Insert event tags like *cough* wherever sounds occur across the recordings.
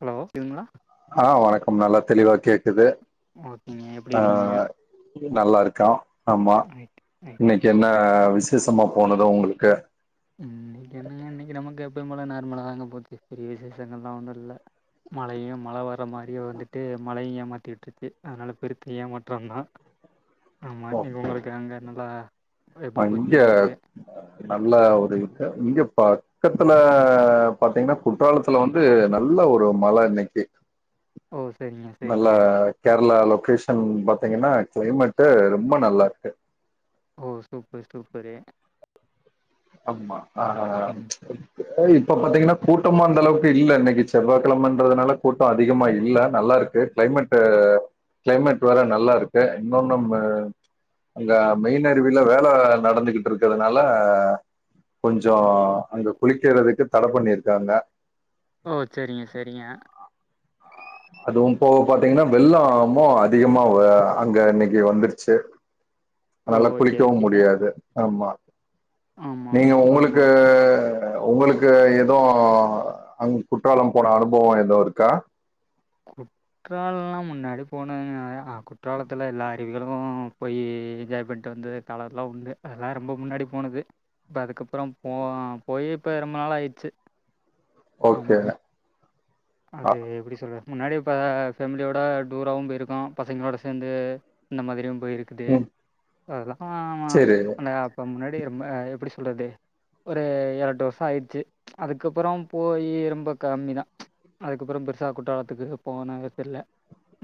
Hello கேக்குதுங்களா அ வணக்கம் நல்லா தெளிவா கேக்குது ஓகேங்க எப்டி ஆ இருக்கீங்க நல்லா இருக்கோ ஆமா ரைட் ரைட் இன்னைக்கு ரைட் என்ன ரைட் விசேஷமா போனது உங்களுக்கு எப்பையு போல நார்மலா தாங்க போச்சு பெரிய விசேஷகள்லா ஒன்னு இல்ல மழையு மழ வர மாரியே வந்துட்டு மழை ஏமாத்திட்டுருக்கு அதனால பெருத்த ஏமாற்ற தா ஆமா நீங்க உங்களுக்கு அங்க நல்லா எப்டி அங்க போச்சு உங்களுக்கு நல்ல ஒரு இங்க பக்கத்துல பாத்தீங்ன்னா குற்றாலத்துல வந்து நல்ல ஒரு மழ இன்னைக்கு ஓ சரிங்க நல்ல சரிங்க கேரளா லொகேஷன் பாத்தீங்கனா கிளைமேட்டு ரொம்ப நல்லாருக்கு ஓ சூப்பர் சூப்பரே அம்மா அ *unintelligible* இப்ப பாத்தீங்கனா கூட்டமு அந்தளவுக்கு இல்ல இன்னைக்கு செவ்வா கிழமைன்றதுனால கூட்ட அதிகமா இல்ல நல்லாருக்கு கிளை மேட்டு கிளைமேட்டு வேற நல்லாருக்கு இன்னொ நம்ம அங்க மெயின் அருவில வேல நடந்துகிட்டு இருக்கிறதுனால கொஞ்சோ அங்க குளிக்கிறதுக்கு தட பண்ணிருக்காங்க ஓ சேரிங்க சேரிங்க அதுவு இப்போ பாத்தீங்னா வெள்ளமு அதிகமா அங்க இன்னைக்கு வந்துருச்சு ஓ அதனால ஓகே குளிக்கவு ஓகே முடியாது ஆமா ஆமா நீங்க ஆமா ஆமா உங்களுக்கு உங்களுக்கு எது அங் குற்றால போன அனுபவ எதோ இருக்கா குற்றாள முன்னாடி போனங்க அ குற்றாளத்துல எல்லா அருவிகளு போயி என்ஜாய் பண்ட்டு வந்து காலமெல்லா உண்டு அதெல்லா ரொம்ப முன்னாடி போனது இப்ப அதுக்கப்புற போ போய் இப்ப ரொம்ப நாள் ஆயிடுச்சு ஆமாங்க ஓகேக அது எப்டி சொ டுவ முன்னாடி இப்ப ஃபேமிலியோட டூராவு போயிருக்கோ பசங்களோட சேர்ந்து இந்த மாதிரியு போயிருக்குது ம் அதலா சேரி அந்த அப்ப முன்னாடி ரொம்ப எப்டி சொல்றது ஒரு இரண்டு வருஷொ ஆயிடுச்சு அதுக்கப்பறொம் போயி ரொம்ப கம்மிதா அதுக்கப்புறே பெருசா குற்றாலத்துக்கு போனதில்ல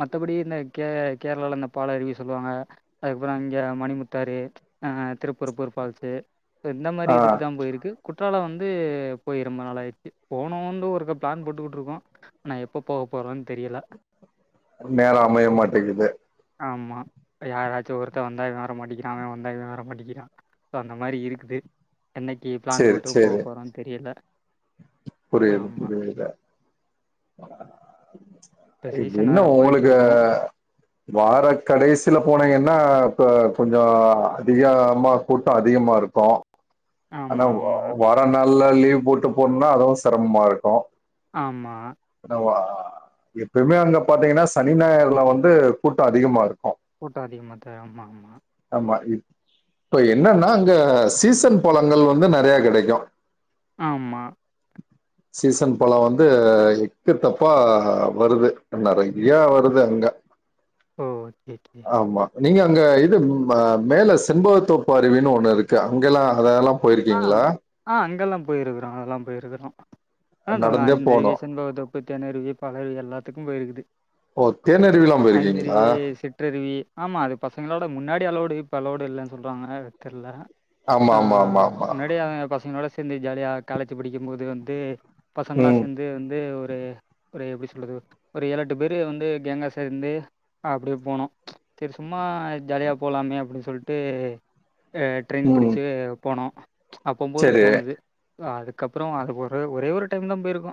மத்தபடி இந்த கே கேரளால இந்த பாலருவி சொல்லுவாங்க அதுக்கப்புறொ இங்க மணிமுத்தாரு அ திருப்பரப்பூர் ஃபால்ஸு சோ இந்த மாரி ஆ இதுக்குதா போயிருக்கு குற்றாலொ வந்து போயி ரொம்ப நாளாயிட்ச்சு போனோன்டு ஒருக்க பிளான் போட்டுக்கிட்டுருக்கோ ஆனா எப்ப போக போறோன் தெரியல நேரோ அமைய மாட்டேக்குது ஆமா யாராச்சு ஒருத்த வந்தா இவெ வர மாட்டிக்கிறா அவெ வந்தா இவெ வர மாட்டிக்கிறான் சோ அந்த மாரி இருக்குது. என்னைக்கு பிளான் சேரி போட்டு போக சேரி போறோன் தெரியல புரியுது ஆமாம் புரியுது இப்போ இப் சீசன் என்னா வேறு உங்களுக்கு போயிட்டுருக்கோம் வார கடைசில போனா என்ன ப்ப கொஞ்சொ அதிகமா கூட்டோ அதிகமா இருக்கு ஆனா ஆமாம் ஆமாம் வார நாள்ல லீவ் போட்டு போனுனா அதுவு செரமமா இருக்கு ஆமா ஏன்னா எப்பயுமே அங்க பாத்தீங்கன்னா சனி நாயர்ல வந்து கூட்டோ அதிகமா இருக்கு கூட்டொ அதிகமா தெ ஆமா ஆமா மா இப் ப்ப என்னன்னா அங்க சீசன் பழங்கள் வந்து நெறையா கெடைக்கு ஆமா சீசன் பழொ வந்து எக்கு தப்பா வருது நெறை ஏ ஆமாம் வருது அங்க ஓ ஓகே ஓகே ஆமா நீங்க அங்க இது ம மேல செம்பவத்தோப்பு அருவின்னு ஒன்னு இருக்கு அங்கல்லா அதெல்லாம் ஆ ஆ அங்கெல்லாம் போயிருக்றோ அதெல்லாம் போயிருக்றோ. ஆ சொல்லாம் நடந்தே ஐந்தருவி போனு செண்பவத்தோப்பு தேன் அருவி பாலருவி எல்லாத்துக்கும் போயிருக்குது ஓ தேனருவிலா போயிருக்கீங்களா ஐந்தருவி சிற்றருவி ஆமா அது பசங்களா ல முன்னாடி அலேவ்டு இப்போ அவோவ்டு இல்லன்னு சொல்றாங்க தெர்ல ஆமா ஆ ஆமா ஆமா ஆம் முன்னாடி அவ பசங்களோட சேந்து ஜாலியா காலேஜ் படிக்கும் போது வந்து பசங்களா ம் சேந்து வந்து ஒ ரு ஒரு எப்டி சொல்றது ஒரு ஏழெட்டு பேரு வந்து கேங்கா சேர்ந்து அப்டியே போனோ சரி சும்மா ஜாலியா போலாமே அப்டின் சொல்ட்டு அ ட்ரெயின் ம் புடிச்சு போனோ அப்பம் போது சரி போனது அ அதுக்கப்புறொ அது ஒரு ஒரே ஒரு டைம்தா போயிருக்கோ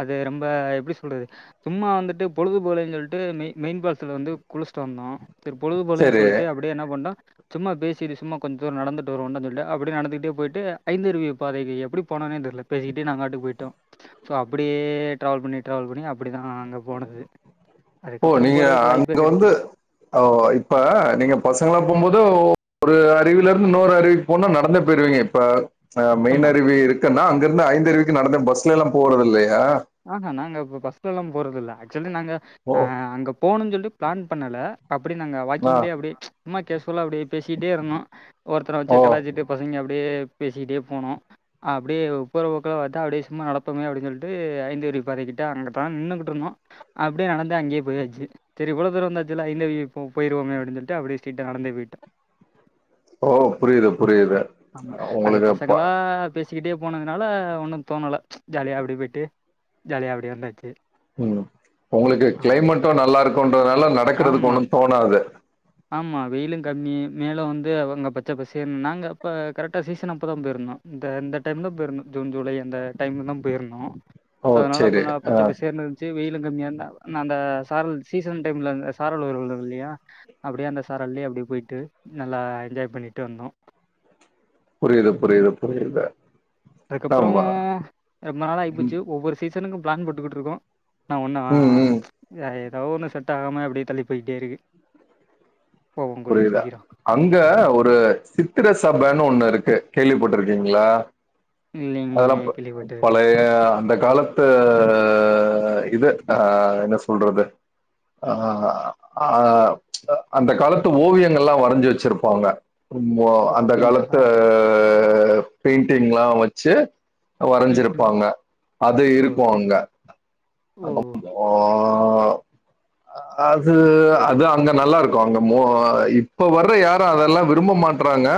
அது ரொம்ப எப்டி சொல்றது சும்மா வந்துட்டு பொழுதுபோலன் சொல்ட்டு மெயி மெயின் ஃபால்ஸ்ல வந்து குளிச் ச்ட்டு வந்தோ செரி பொழுதுபோலயேன் சரி சொல்ட்டு அப்டியே என்ன பண்ணோ சும்மா பேசிட்டு சும்மா கொஞ் தூரோ நடந்துட்டு வருவோன் சொல்டு அப்டியே நடந்துட் டு போயிட்டு ஐந்தருவி பாதைக்கு எப்டி போனோனே தெர்ல பேசிக்கிட்டு நாங்காட்டுக்கு போயிட்டோ சோ அப்டியே ட்ராவல் பண்ணி ட்ராவல் பண்ணி அப்டிதா அங்க போனது ஓ அதுக்கப்புறம் நீங்க போகிறதுக்கு வாய்ப்பே அங்க வந்து கிடைக்கல ஓ இப்ப நீங்க பசங்களா போவும்போது ஒரு அருவில இருந்து இன்னோரு அருவிக்கு போனா நடந்தே போயிருவீங்க இப்ப ஆ ஆமாம் மெயின் அருவி இருக்குன்னா அங்கருந்து ஐந்தருவிக்கு நடந்த பஸ்லைலா போறதுல்லையே ஆஹா நாங்க ப பஸ்லலா போறதுல்ல ஆக்சுவலி நாங்க ஓ அ அங்க போணுன் சொல்ட்டு ப்ளான் பண்ணல அப்டி நாங்க ஆ வாக்கிங்லே அப்டியே சும்மா கேஸ்வ்லா அப்டியே பேசிகிட்டே இருந்தோ ஒருத்தர ஓ வச்சே கலாய்ச்சிட்டு பசங்கெ அப்ட் அப்டியே பேசிக்கிட்டே போனோ அப்டியே போர போக்குல பாத்தா அப்டியே சும்மா நடப்போமே அப்டின் சொல்ட்டு து ஐந்தருவி பாறைகிட்ட அங்கதா நின்னுக்ட்டு இருந்தோ அப்டியே நடந்து அங்கே போயாச்சு சரி இவ்வளோ தூரோ வந்தாச் ந்த ஐந்தருவிக்கு போ போயிடுவோமே அப்டின் சொல்ட்டு அப்படி ஸ்ட்ரைட்டா நடந்தே போய்ட்டோ ஓ புரியுது புரியுது ஆமா அது உங்களுக்கு ப பசங்களா பேசு சிக்கிட்டே போனதுனால ஒன்னு தோணல ஜாலியா அப்டி போய்டு ஜாலியாக அப்டியே வந்தாச்சு உம் உங்களுக்கு ஆமா. கிளைமேட்டும் நல்லா இருக்கும்ன்றதுனால நடக்கறதுக்கு ஆமா. ஒண்ணு தோணாது ஆமா வெயிலு கம்மி மேலு வந்து அவங்க பச்சை பசேனு நாங்க அப்ப கரெக்டா சீசன் அப்போ தா போயிருந்தோ ந்த இந்த டைம்தா போயிர்ந்தோ ஜூன் ஜூலை அந்த டைம்ல தா போயிர்ந்தோ ஓ தனால சரி அப்ப ஆ பச்சைப்பசேர்ன்னுருந்ச்சு வெயில் லு கம்மியாந்தா நா அந்த சாரல் சீசன் டைம்லந்த சாரல் வருல்லையா அப்டியே அந்த சாரல்லயே அப்டி போயிட்டு நல்லா என்ஜாய் பண்ணிட்டு வந்தோ புரியுது புரியுது புரியுது அதுக்கப்புறோ ஆமா ரொம்ப நாளியிப்போச்சு ஒவ்வொரு சீசனுக்கும் பிளான் போட்டுக்கிட்டுருக்கோ நாவொன்னு ம், ம். ஜாயத் லவ்வொன்னு செட்டாகாம அப்டியே தள்ளி போயிட்டேருக்கு புரில அங்க ஒரு சித்திர சபன்னு ஒண்ணு இருக்கு கேள்விப்பட்டிருக்கீங்களா இல்லைங்களே அதெல்லாப் கேள்விப்பட்டதில்லையே. பழைய அந்தக் காலத்து இது ஆஹ் என்ன சொல்றது அஹ்ஹ அஹ்ப் அந்த காலத் து ஓவியங்கள்லா வரைஞ்சி வச்சிருப்பாங்க ரொம்போ ஓ! அந்த காலத்து அப்படிங்களா? அஹ் பெயிண்டிங்ல்லா வச்சு ம், ம். வரஞ்சிருப்பாங்க அது ஓ! இருக்கும் அங்க சரிங்க. ஓ! அங்கப் ஹோ ஆஹ் அது அது அங்க நல்லா இருக்கும் அங்க மோ இப்ப வர்ற யாரு அதெல்லா விரும்ப மாட்டறாங்க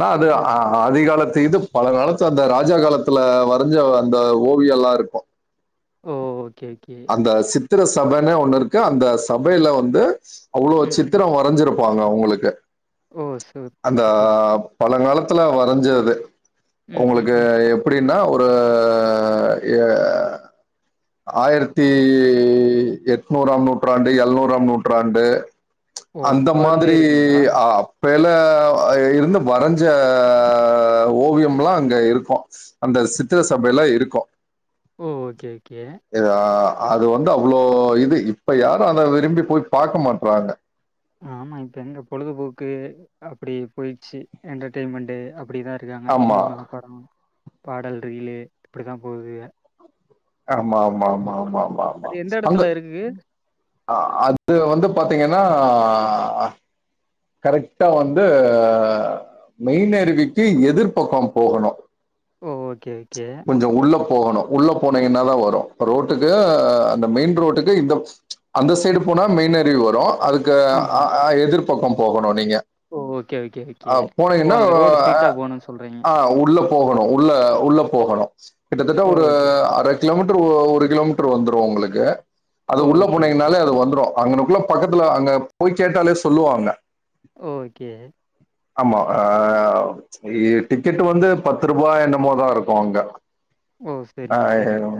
னா அது ம். ஆதிகாலத்து இதுப் பழங்காலத்து அந்த ராஜா காலத்துல வரைஞ்ச அந்த ஓவியல்லாருக்கு ஓ ஓகே ஓகே சித்திர சபனே ஒண்ணு இருக்கு அந்த சபையில வந்து அவ்ளோ ம், ம். சித்திரோ வரஞ்சிருப் ப்பாங்க உங்களுக்கு ஓ! சூ அந்த சூப்பர், சூப்பர். பழங்காலத்துல வரஞ்சது ம், ம், உங்களுக்கு ம். எப்டின்னா ஒர் ரு ஏ ஆயிரத் தி எட்நூறாம் நூற்றாண்டு எழ்நூறாம் நூற்றாண்டு ஓ! அந்த அப்ப இருந்தே மாதிரி இருக்குங்களா? ஆப் வேல இருந்து வரஞ்ச ஓவியம்லா அங்க இருக்கும் அந்த சித்திர ஓ! சபையில இருக்கு ஓகே, ஓகே. ஏதா அது வந்து அவ்ளோ இது இப்ப யாரு அத விரும்பி போய் பாக்க மாட்றாங்க ஆமா இப்ப எங்க பொழுதுபோக்கு அபபடி போயிச்சி என்டர்டெயின்மெண்ட்டு அப்டி தா இருக்காங்க ஆமா. சினிமா படோ பாடல் ரீலு இப்டிதா போது ஆமா ஆமா ஆமா ஆமாம் மாம்மா அது எந்த பங்கு இடத்துல இருக்கு? அது வந்து பாத்தீங்கனா னா ஆ ஆஹ் கரெக்ட்டா வந்து மெய்ன் அருவிக்கு எதிர்பக்கோ போகணு ஓ ஓகே ஓகே போகணு உள்ள போனீங்கன்னா தா வரும் ரோட்டுக்கு அந்த மெயின் ரோட்டுக்கு இந்த அந்த சைடு போனா மெய்ன்னறுவி வரும் அதுக்கு ஆமா. அஹ் அஹ் எதிர்பக்கோ போகணு நீங்க ஓ! Okay, okay, okay. அஹ் ஓ! போனீங்கன்னா அந்த ரோடு ஸ்ட்ரெய்ட்டா அஹ் போணும்னு சொல்றீங்க. ஆஹ் உள்ளப் போகணு உள்ள உள்ள போகணு கிட்டத்தட்ட ஓ! ஒரு ஓகே. அரக் கிலோமீட்டர் ஒரு கிலோமீட்டர் வந்துரும் உங்களுக்கு அது ஓ! உள்ள ஓகே, ஓகே. போனீங்கனாலே அது வந்துரோ அங்கனுக்குள்ள பக்கத்துல அங்க போய் கேட்டாலே சொல்லுவாங்க ஓகே. ஆமா ஹ இ டிக்கெட் வந்து பத்து ரூபாய் என்னமோதான் இருக்கு அங்க ஓ சரி சரிங்க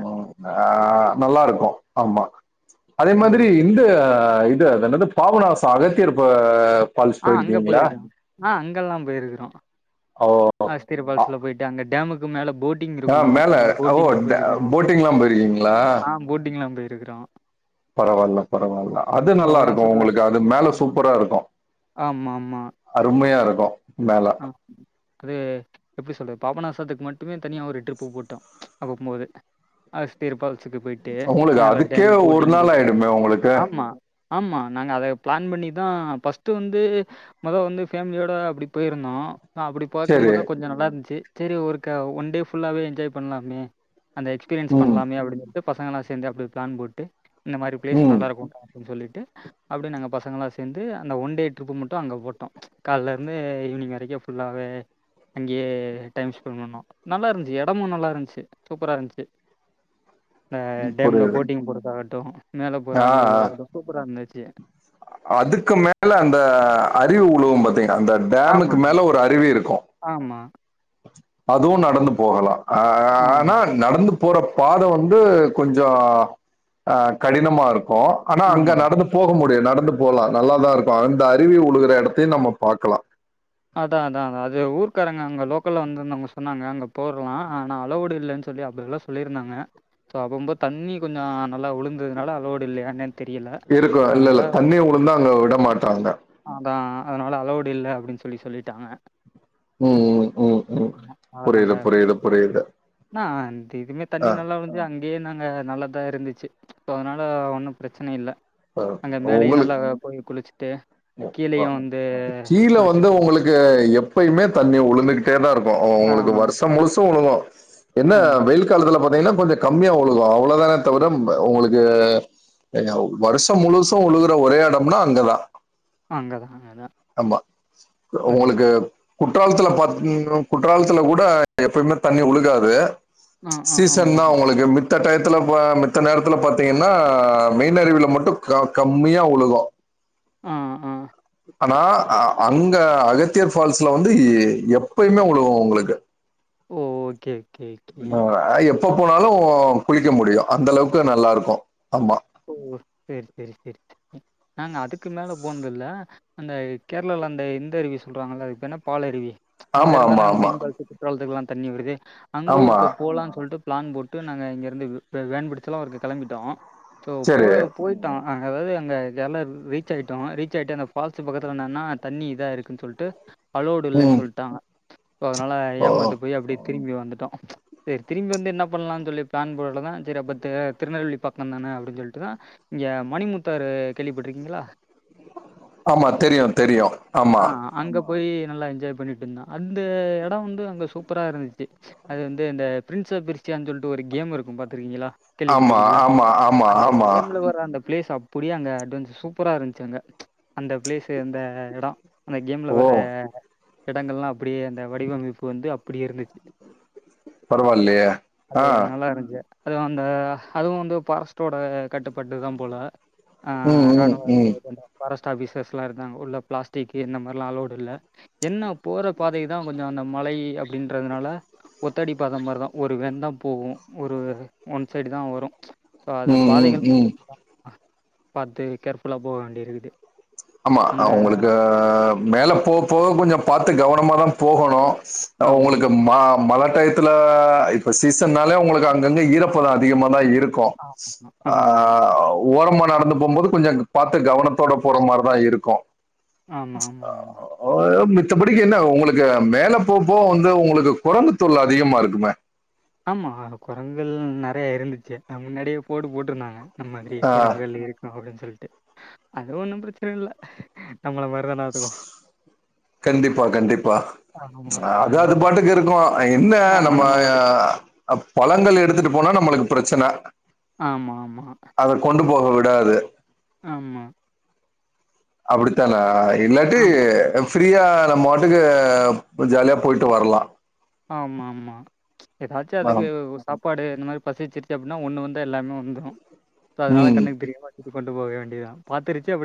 ஆஹ் நல்லா இருக்கு ஆமா அதே ஓ மாதிரி சரி இந்த இ து அத என்னது பாபனாசம் அகத்தியர் ப்ப ஆ அங்க போயிருக்க ஆ அங்கல்லா போயிருக்கிறோ ஓ அகஸ்திரி அ- ஃபால்ஸ்ல போயிட்டு அங்க டேமுக்கு மேல போட்டிங் ஆ இருக்கு மேல அந்த ஓ போட்டிங்ல இந்த போயிருக்கோ போட்டிங்லா போயிருக்கீங்களா ட்டுக்கிறோ பரவாயில்ல பரவாயில்ல அது நல்லாருக்கும் பாபநாசத்துல உங்களுக்கு அது மேல ஆமா சூப்பரா இருக்கும் ஆமா ஆமா ஓ மேல ஆ அது எப்டி சொல்றது பாபநாசத்துக்கு மட்டுமே தனியாக ஒரு ட்ரிப்பு போட்டோ அப்பம்போது அகஸ்திரி ஃபால்ஸ் உங்களுக்கு அதுக்கே ஒரு நாள் போயிட்டு ஆயிடுமே உங்களுக்கு ஆமா. ஆமா நாங்க அதுக்கு பிளான் பண்ணிதா பஸ்ட்டு வந்து மொத வந்து ஃபேமிலியோட அப்டி போயிருந்தோ ஆ அப்டி பாக்கும் சரி போதுதா கொஞ்ச நல்லா இருந்துச்சு செரி ஒரு க ஒன் டே ஃபுல்லாவே என்ஜாய் பண்லாமே அந்த எக்ஸ்பீரியன்ஸ் ம் பண்லாமே அப்டினு சொல்ட்டு பசங்கள்லா சேந்து அப்டியே பிளான் போட்டு இந்த மாரி பிளேஸ் ம் நல்லாருக்குண்டா னு சொல்லிட்டு அப்டியே நாங்க பசங்கள்லா சேந்து அந்த ஒன் டே ட்ரிப்பு மட்டு அங்க போட்டோ கால்லருந்து ஈவினி்ங் வரைக்கு ஃபுல்லாவே அங்கேயே டைம் ஸ்பெண்ட் பண்ணோ நல்லா இருந்ச்சு எடமும் நல்லா இருந்ச்சு சூப்பரா இருந்ச்ச அந்த டேம்ல புரியுது போட்டிங் போறதாகட்டு மேலே போற ஆ அனுபவ அது சூப்பரா இருந்துச்சு அதுக்கு மேல அந்த அருவி உழுவு பாத்தீங் அந்த டேமுக்கு ஆமாங்க. மேல ஒரு அருவி இருக்கும் ஆமா, அதுவு நடந்து போகலா ஆ ஆமா, ஆனா நடந்து போற பாத வந்து கொஞ்ச ஆ கடினமா இரு க்கு ஆனா அங்க ஆமா. நடந்து போக முடியு நடந் து போலா நல்லாதா இருக்கு அந்த அருவி உழுகுற எடத்தயு நம்ம பாக்கலா அதா அதா அது ஊர்க்காரங்க அங்க லோக்கல்ல வந்துருந்தவுங்க சொன்னாங்க அங்க போறலா ஆனா அலோவ்டு இல்லன்னு சொல்லி அப்டிலா சொல்லிருந்தாங்க சோ அப்பம்போது தண்ணி கொஞ்ச நல்லா உழுந்ததுனால அலோவ்டு இல்லையா‌என்னன் தெரியல இருக்கும் சோ இல்ல அதனால இல்ல தண்ணி உளுந்தா அங்க விட மாட்டாங்க அதா அதனால அலோவ்டு இல்ல அப்படின்னு சொல்லி சொல்லிட்டாங்க ம் ம் ம் ம் புரியுது புரியுது புரியுது அனா அந்த இதுமே தண்ணி ஆ, நல்லா வந்துது அங்கயே நாங்க நல்லாதா இருந்துச்சு ஸோ அதனால ஒன்னும் பிரச்சன இல்ல ஆ. அங்க மேலயு உங்களுக்கு நல்லா போய் குளிச் ட்டு கீழயு வந்து கீழ வந்து குளிச்சுட்டு உங்களுக்கு எப்பயுமே தண்ணி உழுந்துக்கிட்டேதா இருக்கு உங்களுக்கு ஆமா. வருஷ முழுசு உழுவு என்ன அதான் வெயில் காலத்துல பாத் ன்னா கொஞ்ச கம்மியா உழுகு அவ்ளோதான தவிர ம உங்களுக்கு அங்க வருஷ முழுசு உழுகுற ஒரே எடம்னா அங்கதா அங்கதா அதா ஆமா உங்களுக்கு கு குற்றாலத்துல பாத் குற்றாலத்துல கூட எப்பயுமே தண்ணி உழுகாது ஆ ஆ ஆமா சீசன்தா உங்களுக்கு மித்த டயத்துல ப மித்த நேரத் துல பாத்தீங்கன்னா மெயின் அருவில மட்டு க கம்மியா உழுகு ஆ ஆ ஆனா அ அங்க அகத்தியர் ஃபால்ஸ்ல வந்து எ எப்பயுமே உழுகு உங்களுக்கு ஓ ஓகே கே கே அ எப்ப போனாலு குளிக்க முடியு அந்தளவுக்கு நல்லாருக்கும் ஆமா ஓ செரி செரி செரி நாங்க அதுக்கு மேல போனதுல்ல அந்த கேரளா ல அந்த இந்த அருவி சொல்றாங்கல்ல அது பேர் என்ன பாலருவி அங்க ஆமா, ஆமா, இருந்துதான ஆமா. மெயின் ஃபால்ஸுக்கு குற்றாலத்துக்குலா தண்ணி வருது அங்கு ஆமா. ஒருக்க போலானு சொல்ட்டு பிளான் போட்டு நாங்க இங்கருந்து வே வேன் பிடிச்செல்லா ஒருக்க கெளம்பிட்டோ ஸோ போ சரி. போயிட்டோ அங்க அதாது அங்க எல்ல ரீச் ஆயிட்டோ ரீச் ஆயிட்டு அந்த ஃபால்ஸு பக்கத்துல என்னன்னா தண்ணி இதா இருக்குன்னு சொல்ட்டு அலோடு இல்லன்னு ம். சொல்ட்டாங்க சொ அதனால ஓ! ஏமாது போய் அப்டி திரும்பி வந்துட்டோம் ச் செரி திரும்பி வந்து என்ன பண்ணலானு சொல்லி பிளான் போடதா செரி அப்ப அ திருநெல் பக் வந்தாங்க அப்டின் சொல்ட்டுதா இங்க மணிமுத்தாரு கேள்விபட்டுருக்கீங்களா ஆமா தெரியு தெரியு அ அங்கப் போயி நல்லா என்ஜாய் பண்ணிட் இருந்தோ அந்த இடம் வந்து அங்கே சூப்பரா இருந்ச்சு அது வந்து இந்த பிரண் ச பிரிச்சான் சொல்ட்டு ஒரு கேம் இருக்கு பாத்ருக்கீங்களா ஆமா ஆமா ஆமா ஆமா ப்ளேஸ் அப்டியே அங்க அட்வெஞ் சூப்பரா இருச்சு அங்க ச் அந்த ப்ளேசு அந்த இடம் அந்த கேம்ல ஓ வர்ற அ இடங்கள்லா அப்படியே அந்த வடிவமைப்பு வந்து அப்படிே இருந்துச் பரவாயில்லையே அ நல்லா ம் இருந்துச்சு அது அந்த அதுவு வந்து பார்டுட்டோட கட்டுப்பாட்டு தா போல அ ம் ம் ராணுவ ம் பாரஸ்ட் ஆபீசர்ஸ் எல்லா இருகங்கா உள்ள பிளாஸ் திக்கு இந்த மாதிரிலாம் அளவுடு இல்ல என்ன போற பாதைதா கொஞ்ச அந்த மழை அப்படின்றதுனால ஒத்தடி பாத மாரிதான் ஒரு வேன் தா போவும் ஒரு ஒன் சைடு தா வரும் ஸோ அந்த ம் ம் பாதைகள் ம் பாத்து கேர்புல்லா போக வேண்டிருக்குது ஆமா அவங்களுக்கு மேல போக போக கொஞ்சம் பாத்து கவனமாதான் போகணோ ஆமா. உங்களுக்கு மா மழ டயத்துல இப்ப சீசன்னாலே உங்களுக்கு அங்கங்க ஈரப்பதம் அதிகமா தா இரு இருக்கும் ஆமா, ஆமா, ஓரமா நடந்து போம்போது கொஞ்சம் பாத்து கவனத்தோட போறமாரி தா இருக்கும் ஆமா ஆமா ஆமா மிச்சபடிக்கு என்ன உங்களுக்கு மேல போகபோக வந்து உங்களுக்கு குரங்கு தொல்ல அதிகமா இருக்குமே ஆமா குரங்குகள் நெறைய இருந்துச்சு அது முன்னாடியே போடு போட்டிருந்தாங்க அமைதி ஆ, குரங்குகள் இருக்கு அப்டின்னு சொல்ட்டு அதுவொன்னும் பிரச்சனை இல்ல நம்மள மாரி தான அதுவும். கண்டிப்பா கண்டிப்பா ஆமா. அத அது அதான். பாட்டுக்கு இருக்கு என்ன நம்ம பழங்கள் எடுத்துட்டு போனா நம்மளுக்கு பிரச்சனை ஆமா ஆமா போக விடாது ஆமா அப்படித்தானே இல்லாட்டி ஆம் ப்ரீயா நம்ம பாட்டுக்கு ஜாலியா போய்ட்டு வரலா ஆமா ஆமா ஏதாச்சும் அதுக்கு வரம். சாப்பாடு இந்த மாதிரி பசிச்சிரு எப்ட்னா ஒண்ணு வந்தா எல்லாமே வந்துரும் இப்ப அதனால ம். கண்ணுக்கு தெரியாம கொண்டு போக வேண்டியதுதா பாத்துருச்சு அப்படி